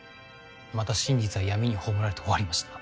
また真実は闇に葬られて終わりました。